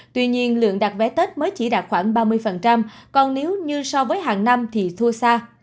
tuy nhiên lượng đặt vé tết mới chỉ đạt khoảng ba mươi còn nếu như so với hàng năm thì tour xa